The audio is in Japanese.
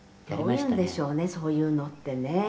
「どういうんでしょうねそういうのってね」